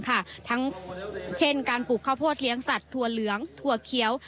ทั้งเช่นการปลูกข้าวโพดเลี้ยงสัตว์ถั่วเหลืองถั่วเขียว